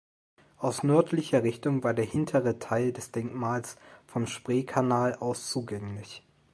Aus nördlicher Richtung war der hintere Teil des Denkmals vom Spreekanal aus zugänglich.